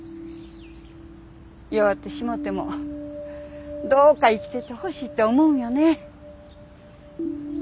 弱ってしもてもどうか生きててほしいって思うんよね。